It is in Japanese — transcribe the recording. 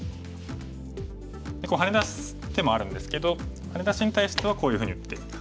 こうハネ出す手もあるんですけどハネ出しに対してはこういうふうに打っていく。